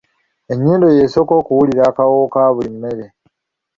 Ennyindo y'esooka okuwulira akawoowo ka buli mmere.